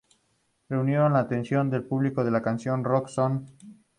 Reunieron la atención del público con su canción "Rock n 'Roll".